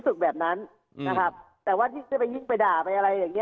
รู้สึกแบบนั้นนะครับแต่ว่าที่จะไปยิ่งไปด่าไปอะไรอย่างเงี้